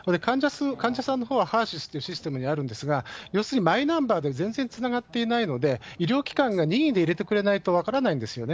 患者さんのほうはＨＥＲーＳＹＳというシステムがあるんですが、要するにマイナンバーで全然つながっていないので、医療機関が任意で入れてくれないと分からないんですよね。